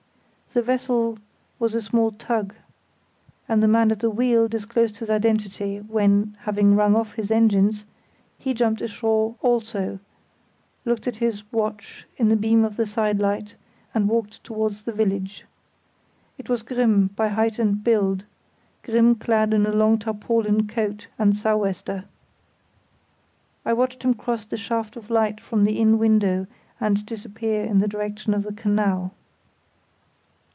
The vessel was a small tug, and the man at the wheel disclosed his identity when, having rung off his engines, he jumped ashore also, looked at his watch in the beam of the sidelight, and walked towards the village. It was Grimm, by the height and build—Grimm clad in a long tarpaulin coat and a sou'wester. I watched him cross the shaft of light from the inn window and disappear in the direction of the canal.